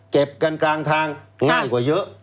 เก็บกันกลางทางง่ายกว่าเยอะ